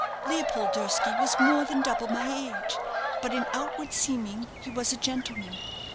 Leopold Durski was more than double my age; but in outward seeming he was a gentleman.